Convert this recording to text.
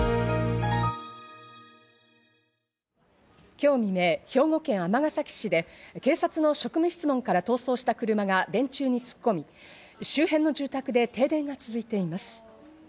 今日未明、兵庫県尼崎市で警察の職務質問から逃走した車が電柱に突っ込み周辺の住宅で停電が続いています。